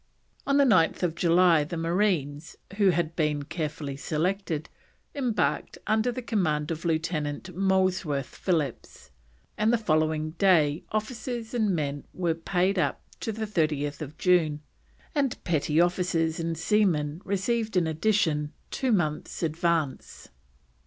On 9th July the marines, who had been carefully selected, embarked under the command of Lieutenant Molesworth Phillips, and the following day officers and men were paid up to 30th June, and petty officers and seamen received in addition two months' advance.